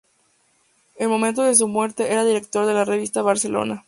En el momento de su muerte era director de la revista "Barcelona".